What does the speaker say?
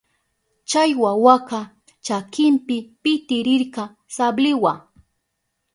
Chay wawaka chakinpi pitirirka sabliwa.